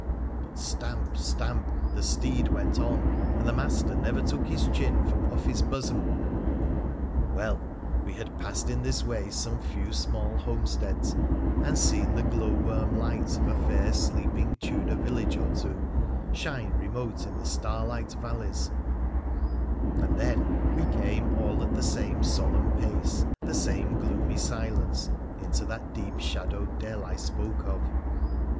But stamp — stamp ! the steed went on ; and the master never took his chin from off his bosom ! Well, we had passed in this way some few small homesteads, and seen the glow worm lights of a fair, sleeping Tudor village or two shine remote in the starlight valleys, and then we came all at the same solemn pace, the same gloomy silence, into that deep shadowed dell I spoke of.